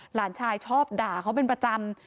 หลานชายชอบด่าเขาเป็นประจำ